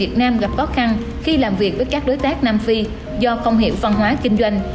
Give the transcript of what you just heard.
việt nam gặp khó khăn khi làm việc với các đối tác nam phi do không hiểu văn hóa kinh doanh